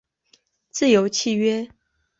自由契约。